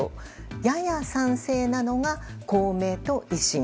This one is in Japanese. やや賛成なのが公明と維新。